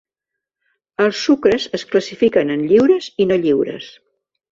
Els sucres es classifiquen en lliures i no lliures.